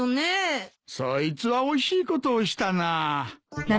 そいつは惜しいことをしたな。